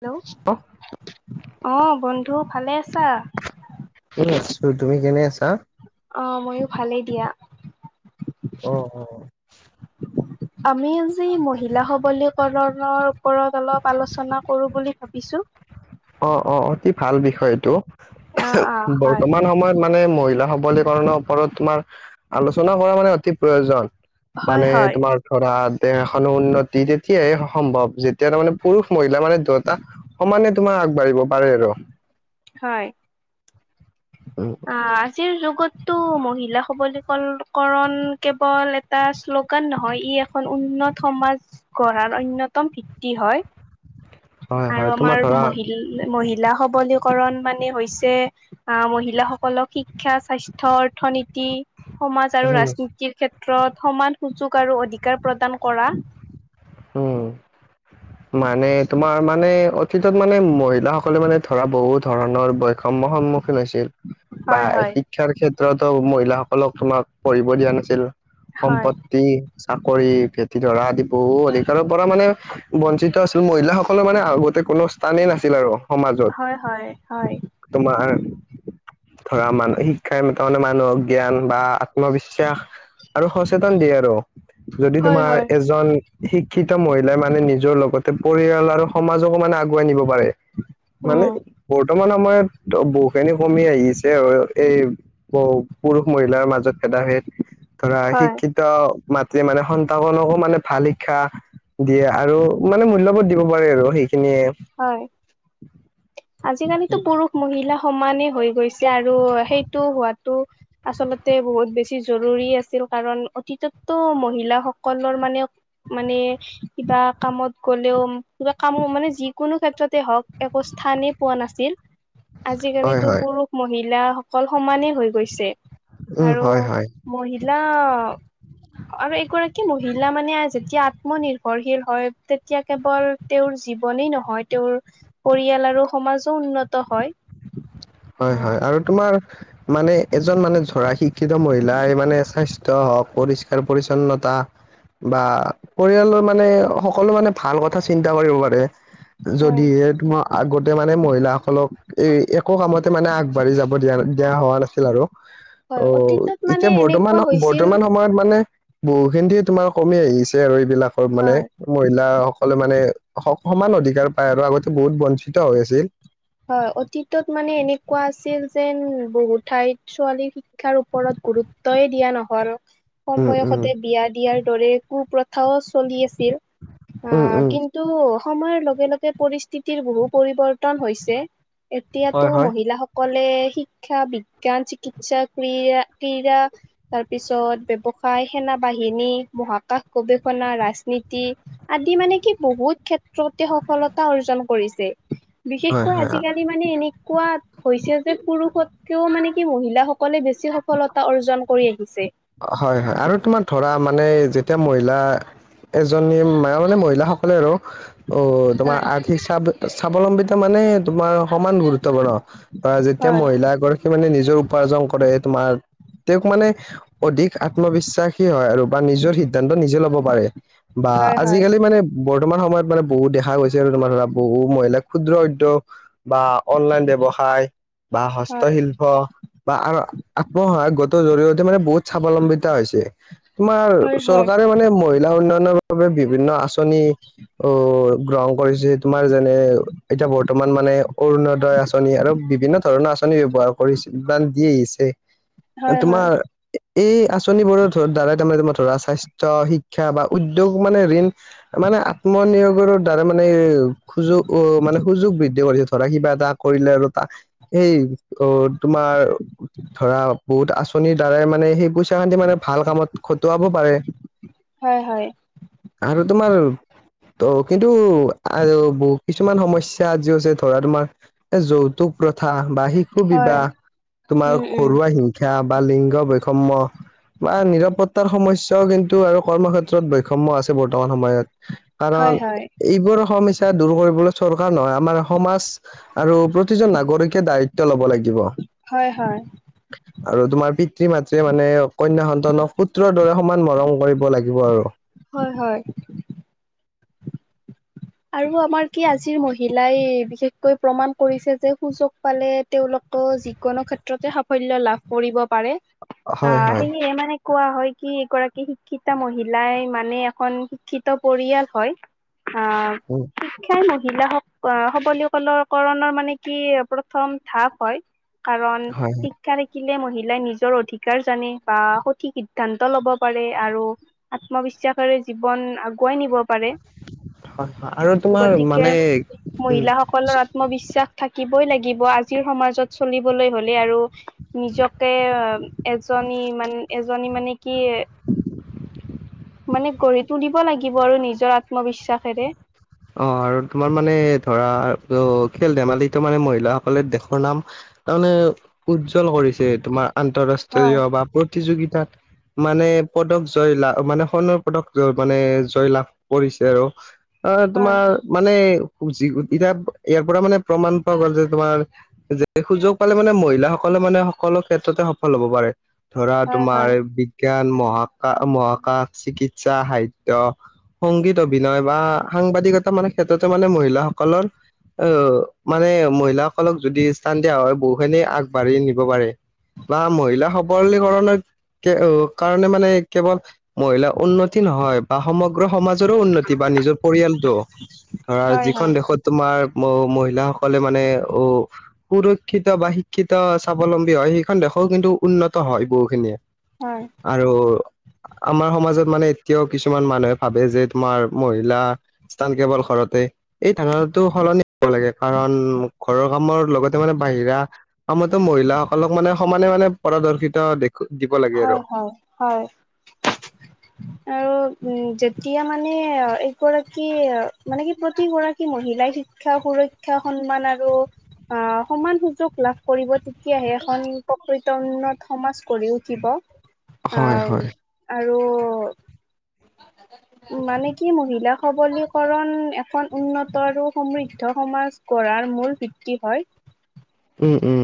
Hello, অ বন্ধু ভালে আছা? এই আছো। তুমি কেনে আছা? অ মইও ভালেই দিয়া। অ-অ। আমি আজি মহিলা সবলীকৰণৰ ওপৰত অলপ আলোচনা কৰো বুলি ভাবিছোঁ। অ-অ অতি ভাল বিষয় এইটো। অ' অ' হয়, বৰ্তমান সময়ত মানে মহিলাস বলীকৰণৰ ওপৰত তোমাৰ আলোচনা কৰা মানে অতি প্ৰয়োজন। হয় মানে হয় তোমাৰ ধৰা এখনো উন্নতি তেতিয়াহে সম্ভৱ যেতিয়া তাৰ মানে পুৰুষ মহিলা মানে দুটা সমানে তোমাৰ আগবাঢ়িব পাৰে আৰু হয়। উম, অ আজি যুগত মহিলা সবলীকৰকৰণ কেৱল এটা শ্লোগান নহয় ই এখন উন্নত সমাজ গঢ়াৰ অন্যতম ভিত্তি হয়। হয়, আৰু হয় তোমাৰ আমাৰ মহিল ধৰা মহিলা মহিলা সবলীকৰণ মানে হৈছে আহ মহিলাসকলক শিক্ষা স্বাস্থ্য অৰ্থনীতি সমাজ আৰু উম, ৰাজনীতিৰ ক্ষেত্ৰত সমান সুযোগ আৰু অধিকাৰ প্ৰদান কৰা উম মানে তোমাৰ মানে অতীতত মানে মহিলাসকলে মানে ধৰা বহুত ধৰণৰ ক সন্মুখীন হৈছিল বা হয় হয় শিক্ষাৰ ক্ষেত্ৰতো মহিলাসকলক তোমাক পঢ়িব দিয়া নাছিল। হয় সম্পত্তি চাকৰি ভেটি ধৰা আদি বহুত অধিকাৰৰ পৰা মানে বঞ্চিত। মহিলাসকলৰ মানে আগতে কোনো স্থানেই নাছিল আৰু সমাজত। হয় হয় হয় তোমাৰ ধৰা মান শিক্ষাই তাৰমানে মানুহক জ্ঞান বা আত্মবিশ্বাস আৰু সচেতন দিয়ে আৰু যদি হয় তোমাৰ হয় এজন শিক্ষিত মহিলাই মানে নিজৰ লগতে পৰিয়াল আৰু সমাজকো মানে আগুৱাই নিব পাৰে মানে উম বৰ্তমান সময়ত বহুখিনি কমি আহিছে আৰু এই পুৰুষ মহিলাৰ মাজত ভেদাভেদ ধৰা হয় শিক্ষিত মাতৃয়ে মানে সন্তানকো মানে ভাল শিক্ষা দিয়ে আৰু মানে মুল্যবোধ দিব পাৰে আৰু সেইখিনিয়ে সেই কাৰণে তো পুৰুষ মহিলা মহিলা সমানে হৈ গৈছে আৰু সেইটো হোৱাতো আচলতে বহুত বেছি জৰুৰী আছিল কাৰণ অতীততো মহিলাসকলৰ মানে মানে কিবা কামত গ'লেও কিবা কামো মানে যিকোনো ক্ষেত্ৰতে হওক থানেই পোৱা নাছিল হয় আজিকালিতো হয় পুৰুষ মহিলাসকল সমানেই হৈ গৈছে। উম হয় হয় অ আৰু এগৰাকী মহিলা মানে যেতিয়া আত্মনিৰ্ভৰশীল হয় তেতিয়া কেৱল তেওঁৰ জীৱনেই নহয় তেওঁৰ পৰিয়াল আৰু সমাজো উন্নত হয়। অ' হয় হয় আৰু তোমাৰ মানে এজন মানে ধৰা শিক্ষিত মহিলাই মানে স্বাস্থ্য হওক। পৰিষ্কাৰ পৰিচ্ছন্নতা বা পৰিয়ালৰ মানে সকলো মানে ভাল কথা চিন্তা কৰিব পাৰে। হয় যদিহে তোমাৰ আগতে মানে মহিলাাসকলক এ ক কামতে মানে আগবাঢ়ি যাব দিয়া দিয়া হোৱা নাছিল আৰু হয় অ অতীতত মানে এতিয়া বৰ্তমান এনেকুৱা হৈছিল বৰ্তমান সময়ত মানে বহুখিনিয়ে তোমাৰ কমি আহিছে আৰু এইবিলাক মানে হয় মহিলাাসকলে মানে সমান অধিকাৰ পায় আৰু আগতে বহুত বঞ্চিত হৈ আছে হয় অতীতত মানে এনেকুৱা আছিল যেন বহুত ঠাইত ছোৱালী শিক্ষাৰ ওপৰত গুৰুত্বয়ে দিয়া নহয় কম উম উম বয়সতে বিয়া দিয়াৰ দৰে কুপ্ৰথাও চলি আছে। অ উম উম কিন্তু সময়ৰ লগে লগে পৰিস্থিতিৰ বহু পৰিৱৰ্তন হৈছে এতিয়াতো হয় হয় মহিলাসকল শিক্ষা বিজ্ঞান চিকিৎসা ক্ৰীয়া তাৰপিছত ব্যৱসায় সেনা বাহিনী মহাকাশ গৱেষণা ৰাজনীতি আদি মানে কি বহুত ক্ষেত্ৰ তে সফলতা অৰ্জন কৰিছে হয় বিশেষকৈ হয় আজিকালি মানে এনেকুৱা হৈছে যে পুৰুষতকেও মানে কি মহিলাাসকলে বেছি সফলতা অৰ্জন কৰি আহিছে। হয় হয় আৰু তোমাৰ ধৰা মানে যেতিয়া মহিলা এজনী মায় মানে মহিলাক হলে আৰু অ তোমাৰ হয় আৰ্থিক স্ব স্বাৱলম্বিতা মানে তোমাৰ সমান গুৰুত্বপূৰ্ণ যেতিয়া হয় মহিলা এগৰাকী মানে নি নি উপাৰ্জন কৰে তোমাৰ তেওঁক মানে অধিক আত্মবিশ্বাসী হয় আৰু বা নিজৰ সিদ্ধান্ত নিজে লব পাৰে বা হয় হয় আজিকালি মানে বৰ্তমান সময়ত মানে বহুত দেখা গৈছে আৰু তোমাৰ ধৰা বহু মহিলাই ক্ষুদ্ৰ উদ্যোগ বা অনলাইন ব্যৱসায় বা হয় হস্তশিল্প আৰু আত্মসহায়ক গোটেৰ জৰিয়তে মানে বহুত স্বাৱলম্বিতা হৈছে তোমাৰ হয় হয় চৰকাৰে মানে মহিলা উন্নয়নৰ বাবে বিভিন্ন আচনি অ গ্ৰহণ কৰিছো তোমাৰ যেনে এতিয়া বৰ্তমান মানে অৰুণোদয় আঁচনি আৰু বিভিন্ন ধৰণৰ আ নি ব্যৱহাৰ কৰিছে বা দি আহিছে হয় হয় তোমাৰ এই আঁচনিবোৰৰ দ্বাৰাই তাৰমানে ধৰা স্বাস্থ্য শিক্ষা বা উদ্যোগ মানে ঋণ মানে আত্মনিৰ্ভৰ তাৰে মানে এ সুযোগ অ মানে সুযোগ বৃদ্ধি কৰিছে। ধৰা কিবা এটা কৰিলে আৰু তাক সেই অ তোমাৰ ধৰা বহুত আঁচনিৰ দ্বাৰাই মানে সেই পইচা খান্তি মানে ভাল কামত খটুৱাব পাৰে। হয় হয় আৰু তোমাৰ ত' কিন্তু আৰু বহু কিছুমান সমস্যা যি হৈছে তোমাৰ যৌতুক প্ৰ ষা বা শিশু হয় বিবাহ তোমাৰ উম উম ঘৰুৱা হিংসা বা লিংগ বৈ বৈষম্য নিৰাপত্তাৰ সমস্যাও কিন্তু আৰু কৰ্মক্ষেত্ৰ বৈষম্ আছে বৰ্তমান সময়ত কাৰণ হয় হয় এইবোৰ সমস্যাত দূৰ কৰিবলৈ চৰকাৰ নহয় আমাৰ সমাজ আৰু প্ৰতিজন নাগৰিকে দায়িত্ব লব লাগিব। হয় হয় আৰু তোমাৰ পিতৃ মাতৃয়ে মানে কন্যা সন্তানক পুত্ৰৰ দৰে সমান মৰম কৰিব লাগিব আৰু হয় হয় আৰু আমাৰ কি আজিৰ মহিলা মহিলাই বিশেষকৈ প্ৰমাণ কৰিছে যে সুযোগ পালে তেওঁলোকৰ যিকোনো ক্ষেত্ৰতে সাফল্য লাভ কৰিব পাৰে হয় হয় আহ সেয়ে মানে কোৱা হয় কি এগৰাকী শিক্ষিতা মহিলাই মানে এখন শিক্ষিত পৰিয়াল হয়। হা উ মহিলা সবলীকৰণৰ মানে কি প্ৰথম ধাপ হয়। কাৰণ হয় শিক্ষাৰে কি মহিলাই নিজৰ অধিকাৰ জানে বা সঠিক সিদ্ধান্ত ল'ব পাৰে আৰু আত্মবিশ্বাস বিশে জীৱন আগুৱাই নিব পাৰে হয় হয় আৰু তোমাৰ গতিকে মানে উম মহিলাাসকলৰ আত্মবিশ্বাস থাকিব লাগিব আজিৰ সমাজত চলিবলৈ হলে আৰু নিজকে এজনী মান এজনী মানে কি মানে গঢ়ি তুলিব লাগিব আৰু নিজৰ আত্মবিশ্বাসেৰে অ আৰু তোমাৰ মানে ধৰা অ খেল ধেমালিটো মানে মহিলাসকলে দেশৰ নাম তাৰমানে উজ্জ্বল কৰিছে তোমাৰ হয় আন্তৰাষ্ট্ৰীয় বা প্ৰতিযোগিতাত মানে পদক জয় লাভ মানে সোণৰ পদক জ মানে জয় লাভ কৰিছে আৰু অ হয় তোমাৰ মানে জি এতিয়া ইয়াৰ পৰা মানে প্ৰমাণ পোৱা গ'ল যে তোমাৰ যে সুযোগ পালে মানে মহিলাসকল মানে সকলো ক্ষেত্ৰতে সফল হ'ব পাৰে ধৰা হয় তোমাৰ হয় বিজ্ঞান মহাকাশ মহাকাশ চিকিৎসা সাহিত্যয় সংগীত অভিনয় বা সাংবাদিকতা মানে ক্ষেত্ৰতে মানে মহিলাসকলৰ আহ মানে মহিলাসকলক যদি স্থান দিয়া হয় বহুখিনি আগবাঢ়ি নিব পাৰে। বা মহিলা সবলীকৰণত কাৰণে মানে কেৱল মহিলাৰ উন্নতি নহয় বা সমগ্ৰ সমাজ নিজৰো উন্নতি বা নিজৰ পৰিয়ালটো। ধৰা হয় যিখন হয় দেশত তোমাৰ মহিলাসকলে মানে অ সুৰক্ষিত বা শিক্ষিত স্বাৱলম্বী হয়। সেই দেশও কিন্তু উন্নত হয় বহুখিনিয়ে। হয়। আৰু আমাৰ সমাজত মানে এতিয়াও কিছুমান মানুহে ভাবে যে তোমাৰ মহিলা স্থান কেৱল ঘৰতে। এই ধাৰণাটো সলনি হ'ব লাগে, কাৰণ ঘৰৰ কামৰ লগতে মানে বাহিৰা কামতো মহিলাসকলক মানে সমানে মানে পাৰদৰ্শিতা দে হয়, হয়, হয়। আৰু উম যেতিয়া মানে এগৰাকী মানে কি প্ৰতিগৰাকী মহিলাই শিক্ষা সুৰক্ষা সন্মান আৰু আহ সমান সুযোগ লাভ কৰিব তেতিয়াহে এখন প্ৰকৃত উন্নত সমাজ গঢ় উঠিব আহ হয় আৰ হয় আৰু মানে কি মহিলা সবলীকৰণ এখন উন্নত আৰু সমৃদ্ধ সমাজ কৰাৰ মূল ভিত্তি হয়। উম উম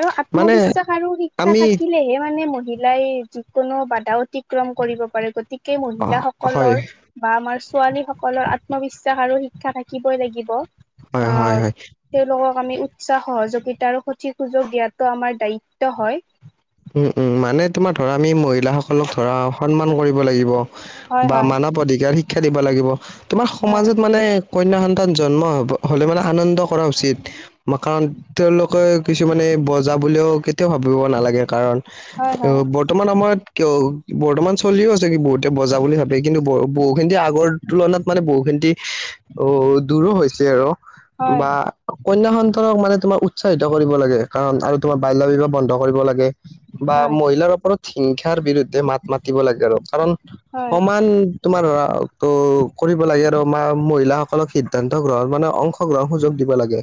আৰু মানে আত্মবিশ্বাস আৰু শিক্ষা আমি থাকিলেহে মানে ম মহিলাই যিকোনো বাধা অতিক্ৰম কৰিব পাৰে। গতিকে মহিলা হয় হয় সকলৰ বা আমাৰ ছোৱালী সকলৰ আত্মবিশ্বাস আৰু শিক্ষা থাকিবই লাগিব হয় অ হয় সেই ল আমি উৎসাহ সহযোগিতা আৰু সঠিক সুযোগ দিয়াতো আমাৰ দায়িত্ব হয় উম উম মানে তোমাৰ ধৰা আমি মহিলা সকলক ধৰা সন্মান কৰিব লাগিব হয় বা হয় মানৱ অধিকাৰ শিক্ষা দিব লাগিব তোমাৰ হয় সমাজত মানে কন্যা সন্তান জন্ম হ'ব হ'লে মানে আনন্দ কৰা উচিত। কাৰণ তেওঁলোকে কিছুমানে বজা বুলিও কেতিয়াও ভাবিব নালাগে কাৰণ হয় অ, বৰ্তমান সময়ত কিয় বৰ্তমান চলিও আছে কি বহুতে বজা বুলি ভাবে। কিন্তু ব বহুখিনি আগৰ তুলনাত মানে বহুখিনি অ দূৰো হৈছে আৰু। হয় বা অন্য সন্তানক মানে তোমাক উৎচাহিত কৰিব লাগে, কাৰণ আৰু তোমাৰ বাল্য বিবাহ বন্ধ কৰিব লাগে। বা হয় মহিলাৰ ওপৰত হিংসাৰ বিৰুদ্ধে মাত মাতিব লাগে আৰু কাৰণ হয় সমান তোমাৰ ত কৰিব লাগে। মহিলাসকলক সিদ্ধান্ত গ্ৰহণ মানে অংশ [unintelligible] সুযোগ দিব লাগে।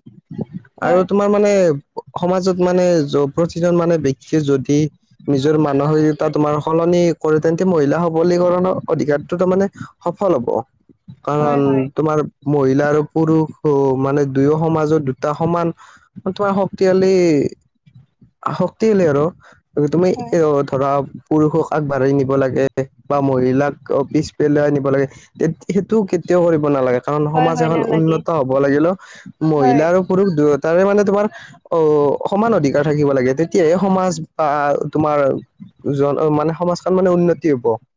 আৰু হয় তোমাৰ মানে সমাজত মানে প্ৰতিজন মানে ব্যক্তি যদি নিজৰ মানসিক তোমাৰ সলনি কৰে তেন্তে মহিলা সবলীকৰণৰ অধিকাৰটো তাৰ মানে সফল হ'ব। হয় কাৰণ হয় হয় তোমাৰ মহিলা আৰু পুৰুষ মানে দুয়ো সমাজত দুটা সমান তোমাৰ শক্তিশালী আ শক্তিশালী আৰু তুমি হয় এ ধৰা পুৰুষক আগবাঢ়ি নিব লাগে বা মহিলাক পিছ পেলাই নিব লাগে তে সেইটো কেতিয়াও কৰিব নালাগে কাৰণ হয় সমাজ হয় এখন নালাগে উন্নত হ'ব লাগিলে হয় মহিলা আৰু পুৰুষ দুয়ো তাৰে মানে তোমাৰ অ সমান অধিকাৰ থাকিব লাগে তে তেতিয়াহে সমাজ বা তোমাৰ জন মানে সমাজখন মানে উন্নত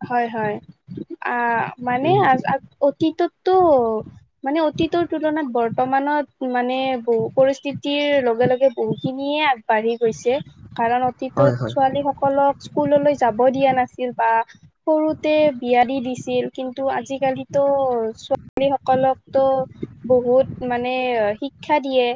হয় হয় আ মানে উম আ অতীতত তো মানে অতীতৰ তুলনাত বৰ্তমানত মানে বহু পৰিস্থিতি লগে লগে বহু খিনিয়ে আগবাঢ়ি গৈছে কাৰণ অতীতত হয় হয় ছোৱালী সকলক স্কুললৈ যাব দিয়া নাছিল বা সৰুতে বিয়া দি দিছিল কিন্তু আজিকালিতো ছোৱালী সকলক তো বহুত মানে শিক খ্যা দিয়ে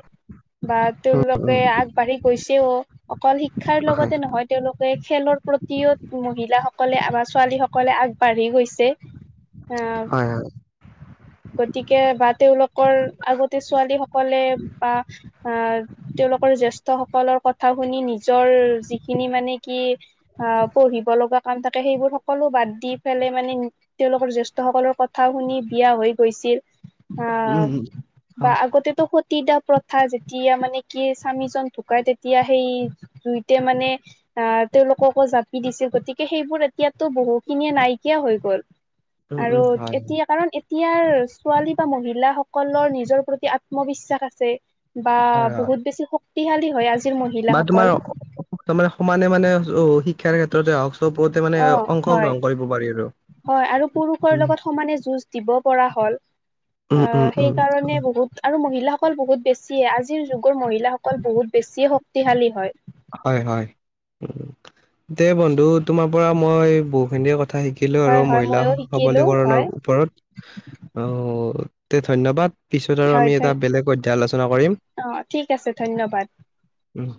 বা তেওঁলোকে আগবাঢ়ি গৈছেও অকল শিক্ষাৰ হয় লগতে নহয় তেওঁলোকে খেলৰ প্ৰতিও মহিলা সকলে আমাৰ ছোৱালী সকলে আগবাঢ়ি গৈছে আহ হয় হয় গতিকে বা তেওঁলোকৰ আগতে ছোৱালী সকলে বা আহ তেওঁলোকৰ জ্যেষ্ঠ সকলৰ কথা শুনি নিজৰ যিখিনি মানে কি আহ পঢ়িব লগা কাম থাকে সেইবোৰ সকলো বাদ দি পেলাই মানে তেওঁলোকৰ জ্যেষ্ঠ সকলৰ কথা শুনা বিয়া হৈ গৈছিল উম বা আগতেটো তিতা প্ৰথা যেতিয়া মানে কি স্বামীজন ঢুকাই তেতিয়া সেই জুইতে মানে আহ তেওঁলোককো জাপি দিছিল গ গতিকে সেইবোৰ এতিয়াতো বহুখিনিয়ে নাইকিয়া হৈ গ'ল উম, আৰু উম, হয়, এতিয়া কাৰণ এ ইয়াৰ ছোৱালী বা মহিলা সকলৰ নিজৰ প্ৰতি আত্মবিশ্বাস আছে বা হয়, হয়। বহুত বেছি শক্তিশালী হয় আজিৰ মহিলাসকল মানে সমানে মানে অ শিক্ষাৰ ক্ষেত্ৰতে হওক চবতে মানে অ হয় অংশগ্ৰহণ কৰিব পাৰি আৰু হয় আৰু পুৰুষৰ উম, লগত সমানে যুঁজ দিব পৰা হ'ল উম, অ উম, সেই উম, কাৰণে বহুত আৰু মহিল মহিলা সকল বহুত বেছিয়ে আজিৰ যুগৰ মহিলা সকল বহুত বেছিয়ে শক্তিশালী হয় হ'য় হ'য়, দে বন্ধু। তোমাৰ পৰা মই বহুখিনি কথা শিকিলোঁ আৰু হয় হয় মহিলা ময়ো শিকিলো সবলীকৰণৰ হয় ওপৰত । অঁ, দে ধন্যবাদ । পিছত আৰু হয় আমি ধন এটা বেলেগ অধ্যায় আলোচনা কৰিম । অ ঠিক আছে ধন্যবাদ ওঁহ